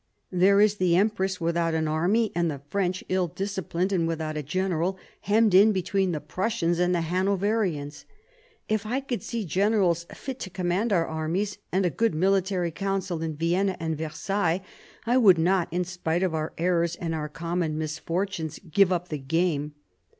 There is the empress without an army, and the French ill disciplined and without a general, hemmed in between the Prussians and the Hanoverians. If I could see generals fit to command our armies, and a good military council in Vienna and Versailles, I would not* in spite of our errors and our common misfortunes, give up the game.